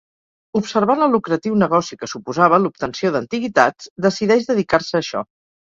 Observant el lucratiu negoci que suposava l'obtenció d'antiguitats decideix dedicar-se a això.